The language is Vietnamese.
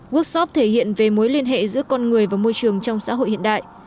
workshop thể hiện về mối liên hệ giữa con người và môi trường trong xã hội hiện đại